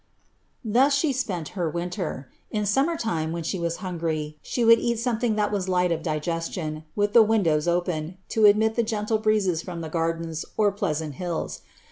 * Thus she spent her winter. In summer time, when she^was hungry, •he would eat something that was light of digestion, with the windows open, to admit the gentle breezes from the gardens, or pleasant hills.